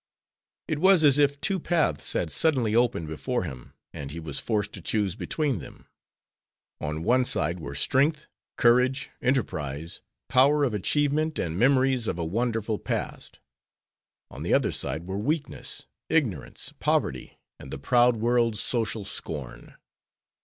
It was as if two paths had suddenly opened before him, and he was forced to choose between them. On one side were strength, courage, enterprise, power of achievement, and memories of a wonderful past. On the other side were weakness, ignorance, poverty, and the proud world's social scorn.